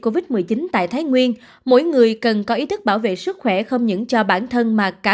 covid một mươi chín tại thái nguyên mỗi người cần có ý thức bảo vệ sức khỏe không những cho bản thân mà cả